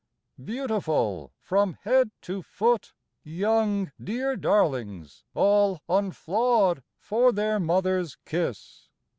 Beautiful from head to foot, Young, dear darlings all unflawed For their mother's kiss.